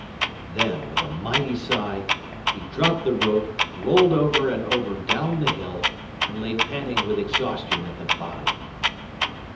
Then with a mighty sigh, he dropped the rope, rolled over and over down the hill, and lay panting with exhaustion at the bottom.